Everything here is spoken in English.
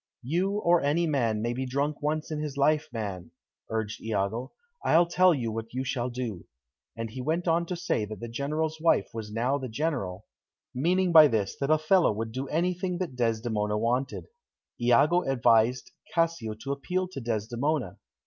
"You or any man may be drunk once in his life, man," urged Iago. "I'll tell you what you shall do." And he went on to say that the General's wife was now the General, meaning by this that Othello would do anything that Desdemona wanted. Iago advised Cassio to appeal to Desdemona.